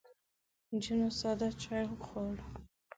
نجونو ساده چای خوړ.